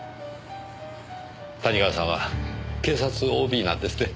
谷川さんは警察ＯＢなんですね。